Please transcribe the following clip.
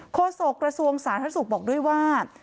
โศกระทรวงสาธารณสุขบอกด้วยว่า